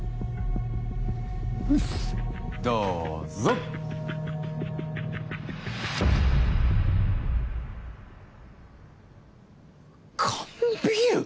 うっすどうぞ缶ビール？